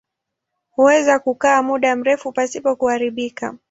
Huweza kukaa muda mrefu pasipo kuharibika.